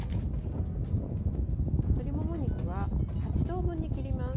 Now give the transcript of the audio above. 鶏もも肉は８等分に切ります。